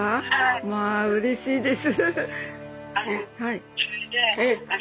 まあうれしいです。